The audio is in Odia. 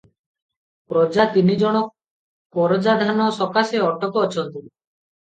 ପ୍ରଜା ତିନିଜଣ କରଜା ଧାନ ସକାଶେ ଅଟକ ଅଛନ୍ତି ।